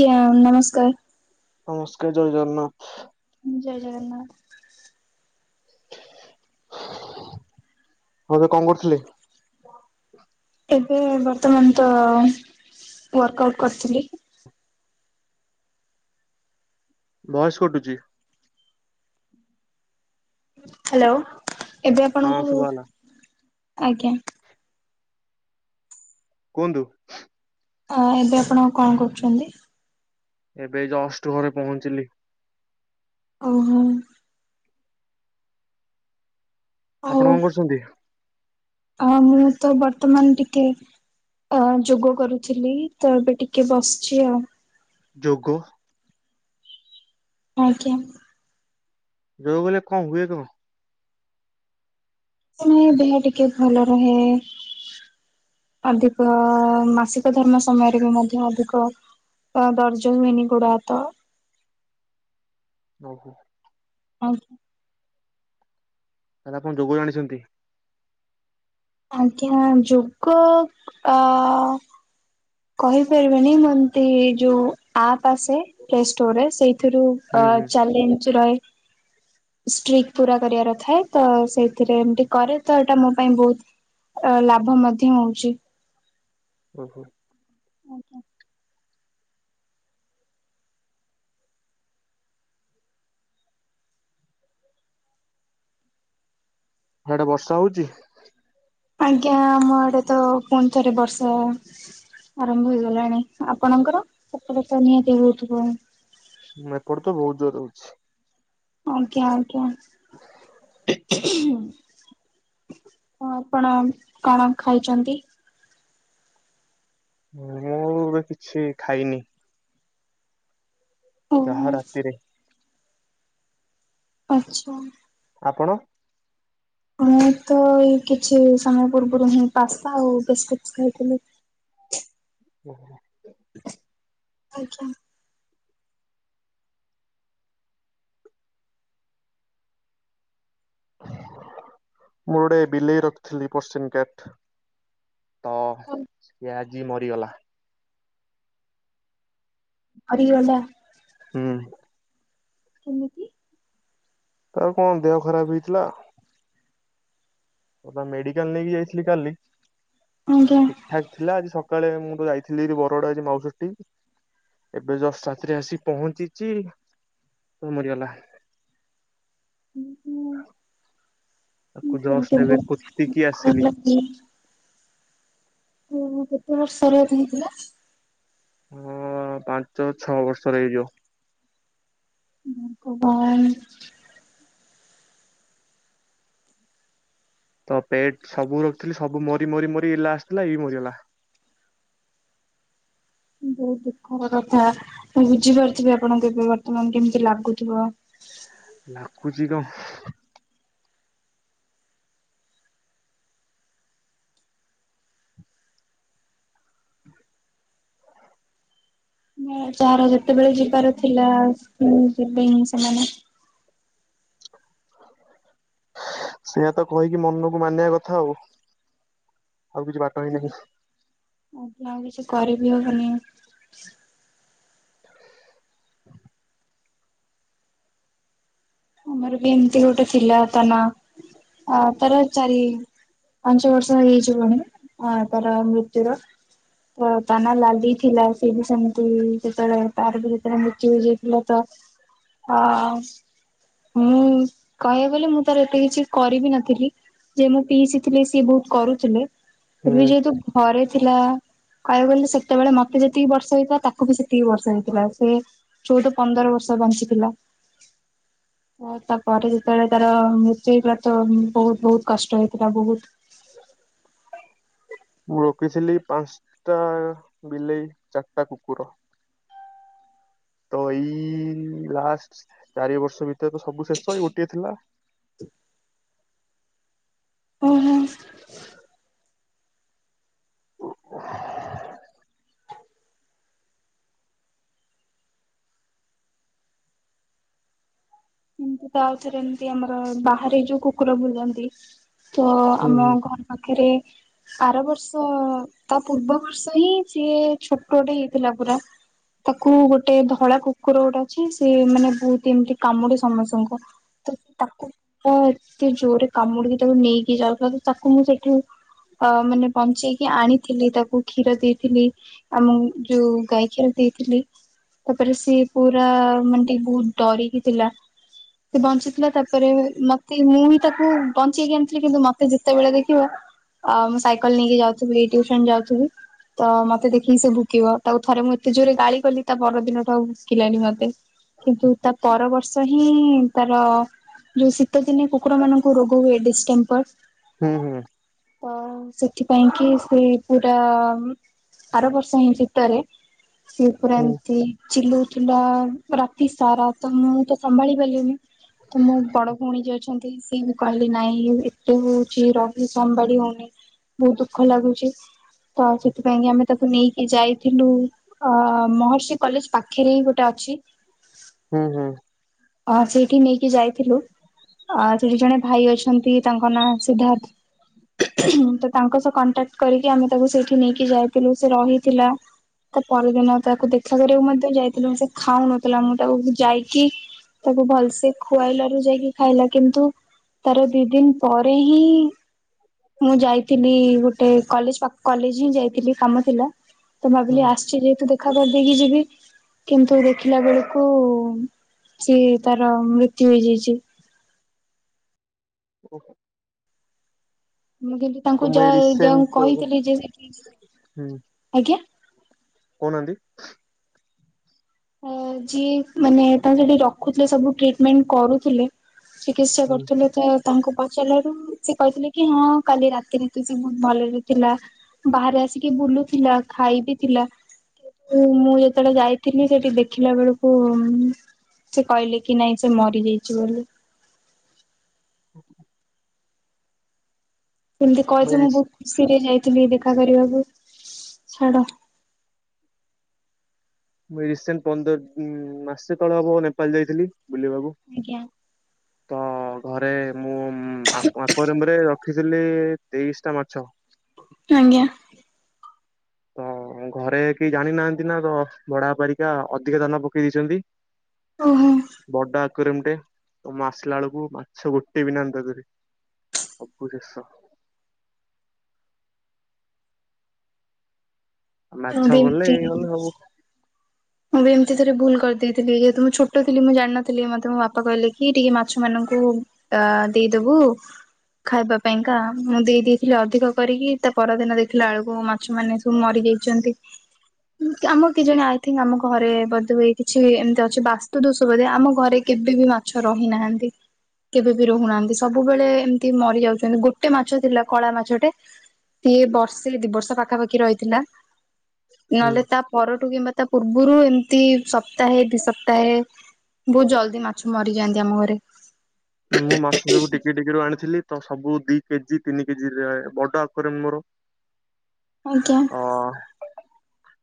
[unintelligible] ନମସ୍କାର ନମସ୍କାର ଜୟ ଜଗନ୍ନାଥ। ଜୟ ଜଗନ୍ନାଥ। [inaudible] ହଉ ଏବେ କଣ କରୁଥିଲେ? ଏବେ ବର୍ତ୍ତମାନ ତ ୱାର୍କ ଆଉଟ କରିଥିଲି ଭଏସ କଟୁଚି ହ୍ୟାଲୋ ଏବେ ହଁ ଆପଣଙ୍କୁ ଶୁଭାଗଲା ଆଜ୍ଞା [inaudible] କୁହନ୍ତୁ ଅ ଏବେ ଆପଣ କଣ କରୁଛନ୍ତି? ଏବେ ଯଷ୍ଟ ଘରେ ପହଞ୍ଚିଲି। ଓହୋ ଆପଣ କଣ କରୁଛନ୍ତି? ଆଉ ମୁଁ ତ ବର୍ତ୍ତମାନ ଟିକେ ଅ ଯୋଗ କରୁଥିଲି ତ ଏବେ ଟିକେ ବସିଛି ଆଉ। ଯୋଗ ଆଜ୍ଞା ଯୋଗ କଲେ କଣ ହୁଏ କଣ? ମାନେ ଦେହ ଟିକେ ଭଲ ରହେ ଅଧିକ ମାସିକ ଧର୍ମ ସମୟରେ ବି ମଧ୍ୟ ଅଧିକ ଅଁ ଦର୍ଜ ହୁଅନି ଗୋଡହାତ। ଓହୋ ହଉ ସାର୍ ଆପଣ ଯୋଗ ଜଣିଛନ୍ତି ଆଜ୍ଞା ଯୋଗ ଆ କହିପାରିବିନି ମୁଁ ଏମିତି ଯୋଉ ଆପ ଆସେ ପ୍ଲେ ଷ୍ଟୋରରେ ସେଇଥିରୁ ଅ ହୁଁ ହୁଁ ଚାଲେଞ୍ଚେ ରଏ ଷ୍ଟ୍ରିକ ପୁରା କରିବାର ଥାଏ ତ ସେଇଥିରେ ଏମତି କରେ ତ ଏଇଟା ମୋ ପାଇଁ ବହୁତ ଅ ଲାଭ ମଧ୍ୟ ହଉଚି। ଓ ହୋ ଆଜ୍ଞା। ହିଆଡେ ବର୍ଷା ହଉଚି? ଆଜ୍ଞା ଆମ ଏଡେ ତ ପୁଣି ଥରେ ବର୍ଷା ଆରମ୍ଭ ହେଇଗଲାଣି ଆପଣଙ୍କର ସେପଟେ ତ ନିହାତି ହୋଉଥିବ। ଉଁ ଏପଟେ ତ ବହୁତ ଜୋର ହୋଉଛି। ଆଜ୍ଞା ଆଜ୍ଞା ହ ଆପଣ କଣ ଖାଇଛନ୍ତି? ମୁଁ ଏବେ କିଛି ଖାଇନି। ଓହୋ ଯାହା ରାତିରେ ଆଚ୍ଛା ଆପଣ? ମୁଁ ତ ଏଇ କିଛି ସମୟ ପୂର୍ବରୁ ହିଁ ପାସ୍ତା ଆଉ ବିସ୍କୁଟ ଖାଇଥିଲି। ଓହୋ ଆଜ୍ଞା ମୁର ଗୋଟେ ବିଲେଇ ରଖିଥିଲି ପର୍ସିନ୍ କ୍ୟଟ ତ ଏ ଆଜି ମରିଗଲା। ଆଉ ଟିକେ [unintelligible] ହୁଁ କେମିତି? ଆଉ କଣ ଦେହ ଖରାପ ହେଇଥିଲା ଆଉ ତାକୁ ମେଡିକାଲ ନେଇକି ଯାଇଥିଲି କାଲି। ଆଜ୍ଞା ଠିକ୍ ଠାକ୍ ଥିଲା ଆଜି ସକାଳେ ମୁଁ ତ ଯାଇଥିଲି ବରଗଡ ଆଜି ମାଉସୀ ଘରଟି ଏବେ ଜଷ୍ଟ ରାତିରେ ଆସି ପହଞ୍ଚିଛି [unintelligible] ମରିଗଲା ହଁ ତାକୁ ଜଷ୍ଟ ଏବେ ବହୁତ ପୋତିକି ଆସିଲି ଭଲ ଉଁ ହୁଁ କେତେ ବର୍ଷର ହେଇଥିଲା? ଉଁ ପାଞ୍ଚ ଛଅ ବର୍ଷର ହେଇଯିବ। ଉଁ [unintelligible] ତ ପେଟ ସବୁ ରଖିଥିଲି ସବୁ ମରି ମରି ମରି ଏଇ ଲାଷ୍ଟ ଥିଲା ଏଇ ମରିଗଲା। ବହୁତ ଦୁଃଖର କଥା ମୁଁ ବୁଝିପାରୁଥିବି ଆପଣଙ୍କୁ ଏବେ ବର୍ତ୍ତମାନ କେମିତି ଲାଗୁଥିବ। ଲାଗୁଚି କଣ [inaudible] ଯାହାର ଯେତେବେଳେ ଯିବାର ଥିଲା ଯିବେହିଁ ସେମାନେ। [inaudible] ସେଆତ କହିକି ମନକୁ ମାନିବା କଥା ଆଉ ଆଉ କିଛି ବାଟ ହିଁ ନାହିଁ। ଆଜ୍ଞା ଆଉ କିଛି କରିବି ହବନି। [inaudible] ଆମର ବି ଏମିତି ଗୋଟେ ଥିଲା ତ ନା ଆ ତାର ଚାରି ପାଞ୍ଚ ବର୍ଷ ହେଇଜିବଣି ଆ ତାର ମୃତ୍ୟୁୁର ଅ ତା ନା ଲାଲି ଥିଲା ସେଏ ବି ସେମିତି ଯେତେବେଳେ ତାର ବି ଯେତେବେଳେ ମୃତ୍ୟୁ ହେଯାଇଥିଲା ତ ଅ ମୁଁ କହିବାକୁ ଗଲେ ମୁଁ ତାର ଏତେ କିଛି କରିବି ନଥିଲି ଯେ ମୁଁ ପିଇସି ଥିଲି ସିଏ ବହୁତ କରୁଥିଲେ ଫିର୍ବି ହୁଁ ଯେହେତୁ ଘରେ ଥିଲା କହିବାକୁ ଗଲେ ସେତେବେଳେ ମତେ ଯେତିକି ବର୍ଷା ହେଇଥିଲା ତାକୁ ବି ସେତିକି ବର୍ଷ ହେଇଥିଲା ସେ ଚୋଉଦ ପନ୍ଦର ବର୍ଷ ବଞ୍ଚିଥିଲା। ହ ତାପରେ ଯେତେବେଳେ ତାର ମୃତ୍ୟୁ ହେଇଥିଲା ତ ବହୁତ ବହୁତ କଷ୍ଟ ହେଇଥିଲା ବହୁତ। ମୁଁ ରଖିଥିଲି ପାଞ୍ଚଟା ବିଲେଇ, ଚାରିଟା କୁକୁର। ତ ଏଇ ଲାଷ୍ଟ ଚାରି ବର୍ଷ ଭିତରେ ତ ସବୁ ଶେଷ ଏଇ ଗୋଟିଏ ଥିଲା। ଓହୋ। ହଁ। ଏମତି ତା ଆଉଥରେ ଏମତି ଆମର ବାହାରେ ଯୋଉ କୁକୁର ବୁଲନ୍ତି ତ ହୁଁ ଆମ ଘର ପାଖରେ ଆର ବର୍ଷ ତା ପୂର୍ବ ବର୍ଷ ହିଁ ସିଏ ଛୋଟଟେ ହେଇଥିଲା ପୁରା। ତାକୁ ଗୋଟେ ଧଳା କୁକୁର ଗୋଟେ ଅଛି ସେ ମାନେ ବହୁତ ଏମିତି କାମୁଡେ ସମସ୍ତଙ୍କୁ। ତ ତାକୁ ତ ଏତେ ଜୋରରେ କାମୁଡିକି ତାକୁ ନେଇକି ଯାଉଥିଲା ତ ତାକୁ ମୁଁ ସେଇଠୁ ଅ ମାନେ ବଞ୍ଚେଇକି ଆଣିଥିଲି ତାକୁ କ୍ଷୀର ଦେଇଥିଲି, ଆମ ଯୋଉ ଗାଈ କ୍ଷୀର ଦେଇଥିଲି। ତାପରେ ସିଏ ପୁରା ମାନେ ଟିକେ ବହୁତ ଡରିକି ଥିଲା। ସେ ବଞ୍ଚିଥିଲା ତାପରେ ମତେ ମୁଁ ବିି ତାକୁ ବଞ୍ଚେଇକି ଆଣିଥିଲି କିନ୍ତୁ ମତେ ଯେତେବେଳେ ଦେଖିବ ଅ ମୁଁ ସାଇକେଲ ନେଇକି ଯାଉଥିବି ଟିୁସନ ଯାଉଥିବି। ତ ମତେ ଦେଖିକି ସେ ଭୁକିବ ତାକୁ ଥରେ ମୁଁ ଏତେ ଜୋରେ ଗାଳି କଲି ତା ପରଦିନ ଠୁ ଆଉ ଭୁକିଲାନି ମତେ। କିନ୍ତୁ ତା ପରବର୍ଷ ହିଁ ତାର ଯୋଉ ଶୀତ ଦିନେ କୁକୁର ମାନଙ୍କୁ ରୋଗ ହୁଏ ଡିସେମ୍ବର। ହୁଁ ହୁଁ। ତ ସେଥିପାଇଁ କି ସେ ପୁରା ଆର ବର୍ଷ ହିଁ ଶୀତରେ ସିଏ ପୁରା ହୁଁ ଏମତି ଚିଲଉଥିଲା ରାତି ସାରା ତ ମୁଁ ତ ସମ୍ଭାଳି ପାରିଲିନି। ତ ମୋ ବଡ ଭଉଣୀ ଯିଏ ଅଛନ୍ତି ସିଏ ବି କହିଲି ନାଇଁ ଏତେ ହଉଛି ରହି ସମ୍ଭାଡି ହଉନି ବହୁତ ଦୁଃଖ ଲାଗୁଛି। ତ ସେଥିପାଇଁ କି ଆମେ ତାକୁ ନେଇକି ଯାଇଥିଲୁ। ଅ ମହର୍ଷି କଲେଜ ପାଖରେ ହିଁ ଗୋଟେ ଅଛି। ହୁଁ ହୁଁ। ହଁ ସେଇଠି ନେଇକି ଯାଇଥିଲୁ। ଅ ସେଠି ଜଣେ ଭାଇ ଅଛନ୍ତି ତାଙ୍କ ନାଁ ସିଦ୍ଧାର୍ଥ। ତ ତାଙ୍କ ସହ କଣ୍ଟାକ୍ଟ କରିକି ଆମେ ତାକୁ ସେଇଠି ନେଇକି ଯାଇଥିଲୁ ସେ ରହିଥିଲା। ତା ପରଦିନ ତାକୁ ଦେଖା କରିବାକୁ ମଧ୍ୟ ଯାଇଥିଲୁ ସେ ଖାଉନଥିଲା ମୁଁ ତାକୁ ଯାଇକି ତାକୁ ଭଲସେ ଖୁଆଇଲାରୁ ଯାଇକି ଖାଇଲା କିନ୍ତୁ ତାର ଦି ଦିନ ପରେ ହିଁ ମୁଁ ଯାଇଥିଲି ଗୋଟେ କଲେଜ ପାଖ କଲେଜ ହିଁ ଯାଇଥିଲି କାମ ଥିଲା। ତ ଭାବିଲି ହୁଁ ଆସିଛି ଯେହେତୁ ଦେଖ ଖା କରିଦେଇକି ଯିବି, କିନ୍ତୁ ଦେଖିଲା ବେଳକୁ ସିଏ ତାର ମୃତ୍ୟୁ ହେଇଯାଇଛି। ଓହୋ। ମୁଁ କିନ୍ତୁ ତ ତାଙ୍କୁ ମୁଁ ଯ ଏଇ ଯ ରିସେଣ୍ଟ କହିଥିଲି ଯେ ସେଠି, ହୁଁ ଆଜ୍ଞା? କହୁନାହାନ୍ତି। ଯିଏ ମାନେ ତାଙ୍କ ସେଠି ରଖୁଥିଲେ ସବୁ ଟ୍ରିଟମେଣ୍ଟ କରୁଥିଲେ। ଚିକିତ୍ସା ହୁଁ କରୁଥିଲେ ତ ତାଙ୍କୁ ପଚାରିଲାରୁ ସେ କହିଥିଲେ କି ହଁ କାଲି ରାତିରେ ତ ସେ ବହୁତ ଭଲରେ ଥିଲା। ବାହାରେ ଆସିକି ବୁଲୁଥିଲା ଖାଇବି ଥିଲା, କିନ୍ତୁ ମୁଁ ଯେତେବେଳେ ଯାଇଥିଲି ସେଠି ଦେଖିଲା ବେଳକୁ ସେ କହିଲେ କି ନାଇଁ ସେ ମରିଯାଇଛି ବୋଲି। ହଛ। କେମିତି କହିବି ମୁଁ ବହୁତ ଖୁସିରେ ଯାଇଥିଲି ଦେଖା କରିବାକୁ, ଛାଡ। ମୁଇଁ ରିସେଣ୍ଟ ପନ୍ଦର ମାସେ ତଳେ ହବ ନେପାଳ ଯାଇଥିଲି ବୁଲିବାକୁ। ଆଜ୍ଞା। ତ ଘରେ ମୁଁ ଆପଣଙ୍କ ରୁମ୍ ରେ ରଖିଥିଲି ତେଇଶ ଟା ମାଛ। ଆଜ୍ଞା। ତ ଘରେ କେହି ଜାଣି ନାହାନ୍ତି ନା ତ ଭଡା ପରାରିକା ଅଧିକା ଧାନ ପକେଇ ଦେଇଛନ୍ତି। ଓହୋ। ବଡ ଆକରେ ଏମଟେ ତ ମାସିଲା ବେଳକୁ ମାଛ ଗୋଟେ ବି ନାହାନ୍ତି ତା ଦେରେ। ସବୁ ଦେଷ। ଆଉ ମାଛ ଗଲେ ଏଇ ଏମିତି ଗଲେ ସବୁ ମୁଁ ବି ଏମିତି ଥରେ ଭୁଲ କରିଦେଇଥିଲି ଯେହେତୁ ମୁଁ ଛୋଟଥିଲି ମୁଁ ଜାଣିନଥିଲି ମତେ ମୋ ବାପା କହିଲେ କି ଟିକେ ମାଛ ମାନଙ୍କୁ ଅ ଦେଇଦବୁ। ଖାଇବା ପାଇଁକା ମୁଁ ଦେଇ ଦେଇଦେଇଥିଲି ଅଧିକ କରିକି ତା ପରଦିନ ଦେଇଥିଲା ଆଳୁକୁ ମା ଛ ମାନେ ସବୁ ମରିଯାଇଛନ୍ତି ଆମ କି ଜଣେ ଆମ ଘରେ ବୋଧେ ହଏ କିଛି ଏମିତି ଅଛି ବାସ୍ତୁ ଦୋଷ ବୋଧେ ଆମ ଘରେ କେବେ ବି ମାଛ ରହିନାହାନ୍ତି। କେବେ ବି ରହୁନାହାନ୍ତି ସବୁବେଳେ ଏମିତି ମରି ଯାଉଛନ୍ତି ଗୋଟେ ମାଛ ଥିଲା କଳା ମାଛଟେ ସିଏ ବର୍ଷେ ଦି ବର୍ଷ ପାଖାପାଖି ରହିଥିଲା। ହୁଁ। ନହେଲେ ତା ପରଠୁ କିମ୍ବା ତା ପୂର୍ବରୁ ଏମିତି ସପ୍ତାହେ ଦି ସପ୍ତାହେ ବହୁତ ଜଲ୍ଦି ମାଛ ମରିଯାଆନ୍ତି ଆମ ଘରେ। ମୁଁ ମାଛ ସବୁ ଟିକେ ଟିକେ ର ଆଣିଥିଲି ତ ସବୁ ଦି କେଜି ତିନି କେଜି ବଡ ଆକରେ ମୋର ଆଜ୍ଞା। ଅ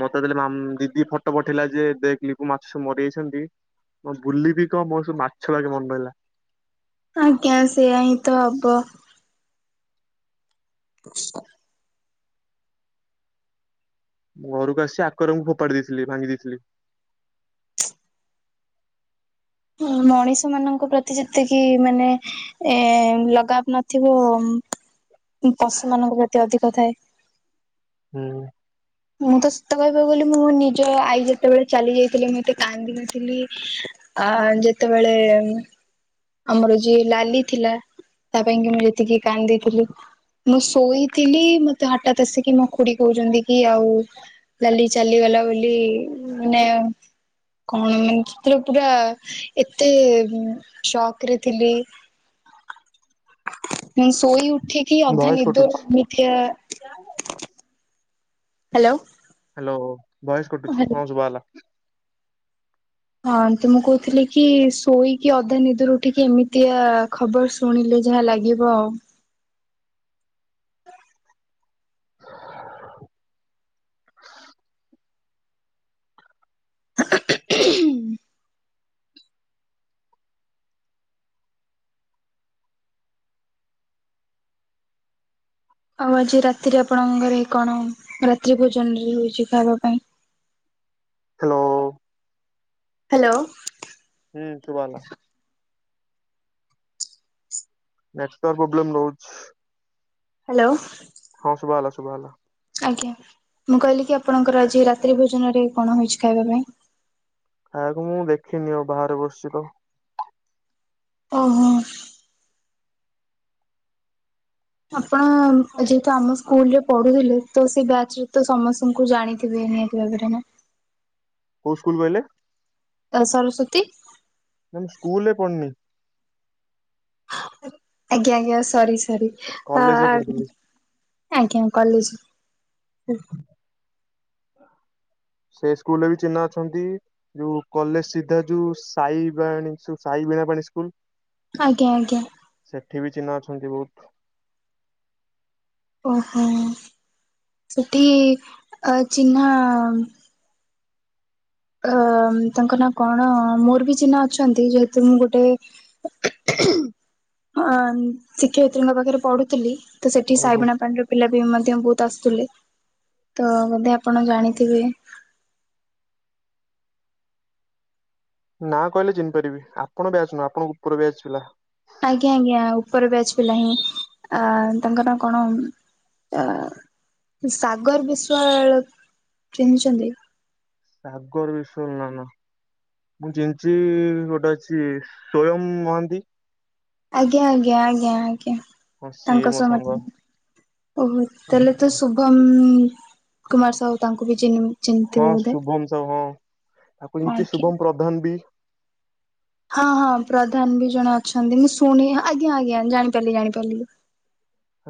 ମତେ ଦେଲେ ଦିଦି ଫଟୋ ପଠେଇଲା ଯେ ଦେଖିଲି ମାଛ ସବୁ ମରିଯାଇଛନ୍ତି। ମୁଁ ବୁଲିବି କଣ ମୋ ସବୁ ମାଛ ଲାଗେ ମନ ରହିଲା। ଆଜ୍ଞା ସେୟା ହିଁ ତ ହବ। [inaudible] ଘରକୁ ଆସି ଆକାରରଙ୍କୁ ଫୋପାଡି ଦେଇଥିଲି ଭାଙ୍ଗି ଦେଇଥିଲି। ମଣିଷ ମାନଙ୍କ ପ୍ରତି ଯେତିକି ମାନେ ଏ ଲଗାବ ନଥିବ ପଶୁ ମାନଙ୍କ ପ୍ରତି ଅଧିକ ଥାଏ। ହୁଁ। ମୁଁ ତ ସେତେ କହିବାକୁ ଗଲି ମୁଁ ମ ନିଜ ଆଈ ଯେତେବେଳେ ଚାଲି ଯାଇଥିଲଥିଲେ ମତ ଏତେ କାନ୍ଦିନଥିଲି ଆ ଯେତେବେଳେ ଆମର ଯିଏ ଲାଲି ଥିଲା ତା ପାଇଁ କି ମୁଁ ଯେତିକି କାନ୍ଦିଥିଲି। ମୁଁ ଶୋଇଥିଲି ମତେ ହଠାତ ଆସିକି ମୋ ଖୁଡି କହୁଛନ୍ତି କି ଆଉ ଲାଲି ଚାଲିଗଲା ବୋଲି ବୋଲି ମେ କଣ ମାନେର ପୁରା ଏତେ ଶକ୍ ଥିଲି ମୁଁ ଶୋଇ ଉଠି ଠିକ ହି ଅଧା ଭଏସ ନିଦର କଟୁଛି କମିଥିବା [inaudible] ହ୍ୟାଲୋ ହ୍ୟାଲୋ ଭୟସ କଟୁଛି ହ୍ୟାଲୋ ହଁ ଶୁଭା ହେଲା। ହଁ ତ ମୁଁ କହୁଥିଲି କି ଶୋଇକି ଅଧା ନିଦରୁ ଉଠିକି ଏମିତିଆ ଖବର ଶୁଣିଲେ ଯାହା ଲାଗିବ। [inaudible] ଆଉ ଆଜି ରାତିରେ ଆପଣଙ୍କର ଘରେ ରାତ୍ରି ଭୋଜନ ରେ ହଉଛି ଖାଇବା ପାଇଁ? ହ୍ୟାଲୋ। ହ୍ୟାଲୋ। ହୁଁ ସୁୁଭଲା। ନେଟୱାର୍କ ପ୍ରୋବ୍ଲେମ୍ ରହୁଛି। ହ୍ୟାଲୋ। ହଁ ଶୁଭା ହେଲା ଶୁଭା ହେଲା। ଆଜ୍ଞା ମୁଁ କହିଲି କି ଆପଣଙ୍କର ଆଜି ରାତ୍ରି ଭୋଜନରେ କଣ ହେଇଛି ଖାଇବା ପାଇଁ ଖାଇବାକୁ ମୁଁ ଦେଖିନି ଆଉ ବାହାରେ ବସିଛି ତ ଓହୋ। ଆପଣ ଯେହେତୁ ଆମ ସ୍କୁଲ ରେ ପଢୁଥିଲେ ତ ସେ ବ୍ୟାଚ୍ ରେ ତ ସମସ୍ତଙ୍କୁ ଜାଣିଥିବେ ହେଁ ରେ [unintelligible] କୋଉ ସ୍କୁଲ କହିଲେ? ସରସ୍ଵତୀ? ନା ମୁଁ ସ୍କୁଲରେ ପଡ଼ନି ଆଜ୍ଞା ଆଜ୍ଞା ସରି ସରି କଲେଜରେ ଆଁ ପଢୁଥିଲି ଆଜ୍ଞା କଲେଜ ସେ ସ୍କୁଲରେ ବି ଚିହ୍ନା ଅଛନ୍ତି ଯୋଉ କଲେଜ ସିଧା ଯୋଉ ସାଇବାଣି ସାଇ ବିଣା ପାଣି ସ୍କୁଲ ଆଜ୍ଞା ଆଜ୍ଞା। ସେଠି ବି ଚିହ୍ନା ଅଛନ୍ତି ବହୁତ ଓହୋ ସେଠି ଅ ଚିହ୍ନା ଅ ତାଙ୍କ ନାଁ କଣ ମୋର ବି ଚିହ୍ନା ଅଛନ୍ତି ଯେହେତୁ ମୁଁ ଗୋଟେ [unintelligible] ଅ ଶିକ୍ଷୟିତ୍ରୀଙ୍କ ପାଖରେ ପଢୁଥିଲି ତ ସେଠି ଓହୋ ସାଇବୀଣା ପାଣିରେ ପିଲା ବି ମଧ୍ୟ ବହୁତ ଆସୁଥିଲେ ତ ବୋଧେ ଆପଣ ଜାଣିଥିବେ ନା କହିଲେ ଚିହ୍ନି ପାରିବି ଆପଣ ବ୍ୟାଚ୍‌ ନୁହଁ, ଆପଣ ଉପର ବ୍ୟାଚ୍‌ର ପିଲା। ଆଜ୍ଞା, ଆଜ୍ଞା, ଉପର ବ୍ୟାଚ୍‌ ପିଲା ହିଁ ଆଁ। ତାଙ୍କ ନାଁ କଣ? ତା ସାଗର ବିଶ୍ଵାଳ ଚିହ୍ନିଛନ୍ତି? ସାଗର ବିଶ୍ୱାଳ ନା ନା ମୁଁ ଜିଣିଛିି ଗୋଟେ ଅଛି ସ୍ଵୟଂ ମହାନ୍ତି ଆଞା ଆଞା ଆଞା ଆଞା ହଁ ସିଏ ତାଙ୍କ ମୋ ସ ସାଙ୍ଗ [unintelligible] ଓହୋ ତାହେଲେ ତ ଶୁଭମ କୁମାର ସାହୁ ତାଙ୍କୁ ବି ଚିହ୍ନି ବେ ହଁ ଶୁଭମ ସାହୁ ହଁ ତାକୁ ଏମତି ଆଜ୍ଞା। ଶୁଭମ ପ୍ରଧାନ ବି ହଁ ହଁ ପ୍ରଧାନ ବି ଜଣେ ଅଛନ୍ତି ମୁଁ ଶୁଣି ଆଜ୍ଞା ଆଜ୍ଞା ଜାଣିପାରିଲି ଜାଣିପାରିଲି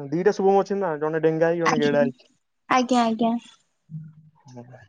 ଦିଟା ଶୁଭମ ଅଛନ୍ତି ନା ଜଣେ ଡେଙ୍ଗା ହେଇକି ଜଣେ ଆଜ୍ଞା ଗେଡା ହେଇକି ଆଜ୍ଞା ଆଜ୍ଞା। ହଁ [unintelligible] ବାଏ